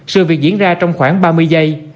sự việc diễn ra trong khoảng ba mươi giây